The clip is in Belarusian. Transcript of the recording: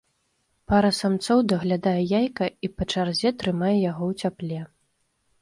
Пара самцоў даглядае яйка і па чарзе трымае яго ў цяпле.